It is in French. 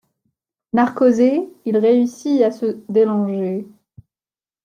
Narcosé, il réussit à se délonger.